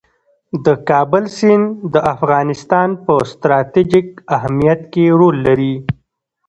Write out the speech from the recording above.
د کابل سیند د افغانستان په ستراتیژیک اهمیت کې رول لري.